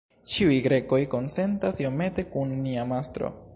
Ĉiuj Grekoj konsentas iomete kun nia mastro.